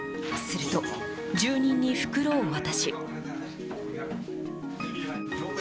すると、住人に袋を渡し。